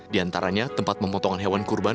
di antaranya tempat pemotongan hewan kurban